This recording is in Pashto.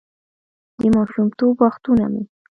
«د ماشومتوب وختونه مې: